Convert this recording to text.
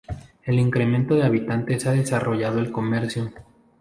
El crecimiento de habitantes ha desarrollado el comercio.